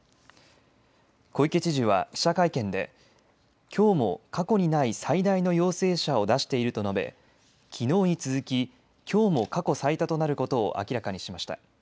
小池知事は記者会見できょうも過去にない最大の陽性者を出していると述べ、きのうに続ききょうも過去最多となることを明らかにしました。